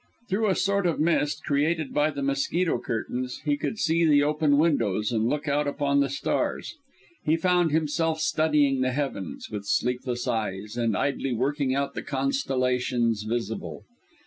Through a sort of mist created by the mosquito curtains, he could see the open windows, and look out upon the stars. He found himself studying the heavens with sleepless eyes, and idly working out the constellations visible.